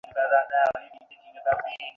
আমি সমস্যাটিকে আপনাদের বিচারের উপর ছাড়িয়া দিলাম।